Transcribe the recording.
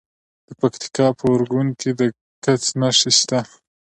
د پکتیکا په ارګون کې د ګچ نښې شته.